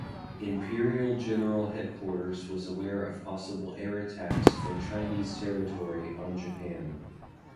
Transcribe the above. Imperial General Headquarters was aware of possible air attacks from Chinese territory on Japan.